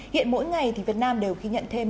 hiện mỗi ngày việt nam đều ghi nhận thêm